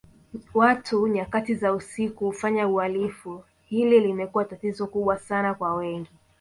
Watu nyakati za usiku ufanya uhalifu hili limekuwa tatizo kubwa Sana kwa wengi